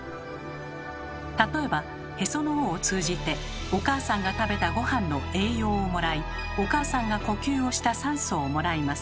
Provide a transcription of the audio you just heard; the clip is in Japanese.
例えば「へその緒」を通じてお母さんが食べたごはんの栄養をもらいお母さんが呼吸をした酸素をもらいます。